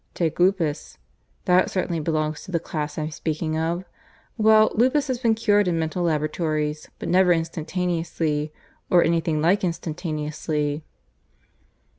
Take lupus. That certainly belongs to the class I'm speaking of. Well, lupus has been cured in mental laboratories, but never instantaneously or anything like instantaneously."